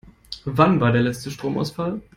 Wann war der letzte Stromausfall?